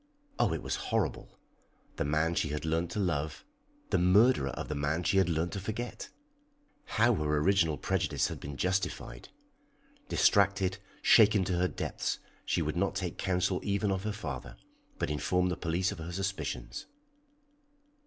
Oh, it was horrible! The man she had learnt to love, the murderer of the man she had learnt to forget! How her original prejudice had been justified! Distracted, shaken to her depths, she would not take counsel even of her father, but informed the police of her suspicions.